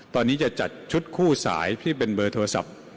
ตอนนี้จะจัดชุดคู่สายที่เป็นเบอร์โทรศัพท์